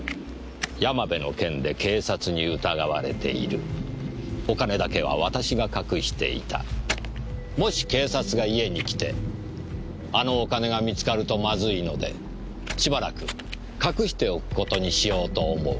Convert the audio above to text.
「山部の件で警察に疑われている」「お金だけは私が隠していた」「もし警察が家に来てあのお金が見つかるとまずいのでしばらく隠しておくことにしようと思う」